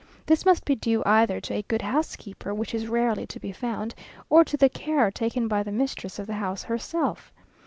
This must be due either to a good housekeeper, which is rarely to be found, or to the care taken by the mistress of the house herself.